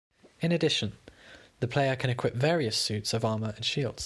In addition, the player can equip various suits of armor and shields.